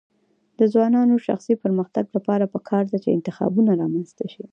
د ځوانانو د شخصي پرمختګ لپاره پکار ده چې انتخابونه رامنځته کړي.